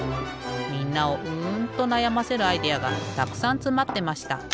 みんなをうんとなやませるアイデアがたくさんつまってました。